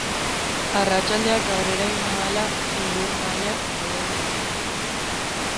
Arratsaldeak aurrera egin ahala, elur-mailak gora egingo du.